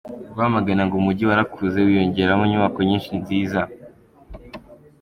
Rwamagana ngo Umujyi warakuze wiyongeramo inyubako nyinshi nziza.